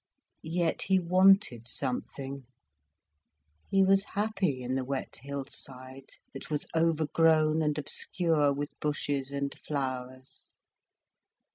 Yet he wanted something. He was happy in the wet hillside, that was overgrown and obscure with bushes and flowers.